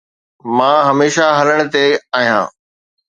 مان هميشه هلڻ تي آهيان